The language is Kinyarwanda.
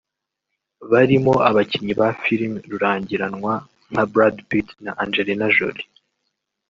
barimo abakinnyi ba filimi rurangiranwa nka Brad Pitt na Angelina Jolie